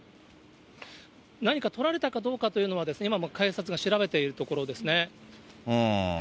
何かとられたかどうかというのは、今も警察が調べているところですね。